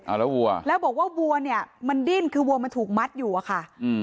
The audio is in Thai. แล้ววัวแล้วบอกว่าวัวเนี่ยมันดิ้นคือวัวมันถูกมัดอยู่อะค่ะอืม